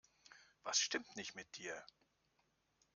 Was stimmt nicht mit dir?